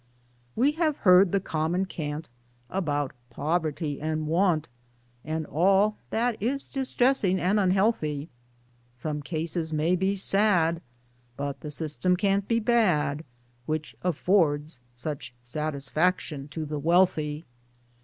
We have heard the common cant About poverty and want And all that is distressing and unhealthy ; Some cases may be sad, But the system can't be bad Which affords such satisfaction to the Wealthy.